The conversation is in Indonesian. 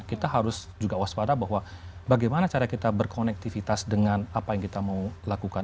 kita harus juga waspada bahwa bagaimana cara kita berkonektivitas dengan apa yang kita mau lakukan